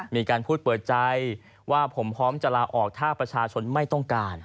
มีการพูดเปิดใจว่าผมพร้อมจะลาออกถ้าประชาชนไม่ต้องการ